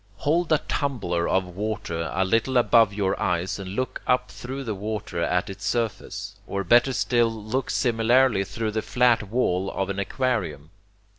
Hold a tumbler of water a little above your eyes and look up through the water at its surface or better still look similarly through the flat wall of an aquarium.